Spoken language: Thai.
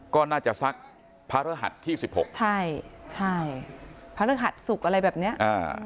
ก็น่าจะสักพระรหัสที่สิบหกใช่ใช่พระฤหัสศุกร์อะไรแบบเนี้ยอ่า